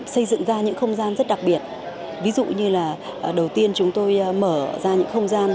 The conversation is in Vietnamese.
xây dựng ra những không gian rất đặc biệt ví dụ như là đầu tiên chúng tôi mở ra những không gian